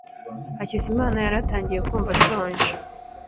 Hakizimana yari atangiye kumva ashonje.